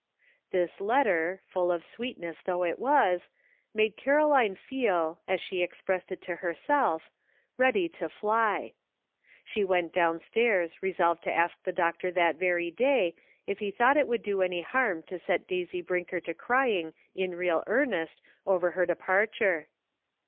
This letter, full of sweetness though it was^ "SO rOU WANT TO GO HOMEf' 165 made Caroline feel, as she expressed it to her self, "ready to fly;" slie went downstairs re solved to ask the doctor that very day if he thought it would do any harm to set Daisy Brinker to crying in real earnest over her de parture.